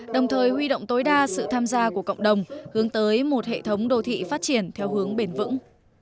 đồng thời huy động tối đa sự tham gia của cộng đồng hướng tới một hệ thống đô thị phát triển theo hướng bền vững